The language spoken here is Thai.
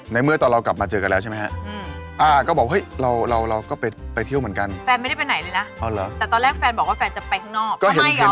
ในเมื่อตอนเรากลับมาเจอกันแล้วใช่ไหมฮะอ่าก็บอกเฮ้ยเราก็ไปเที่ยวเหมือนกัน